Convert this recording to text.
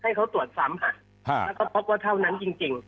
ให้เขาตรวจซ้ำค่ะแล้วก็พบว่าเท่านั้นจริง